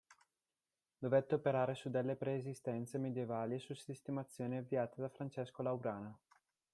Dovette operare su delle preesistenze medievali e su sistemazioni avviate da Francesco Laurana.